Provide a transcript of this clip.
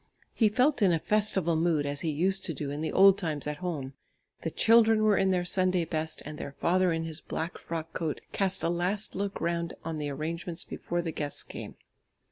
He felt in a festival mood as he used to do in the old times at home; the children were in their Sunday best, and their father in his black frock coat cast a last look round on the arrangements before the guests came.